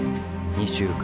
２週間。